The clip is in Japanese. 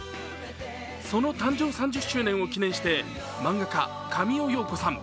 その誕生３０周年を記念して漫画家、神尾葉子さん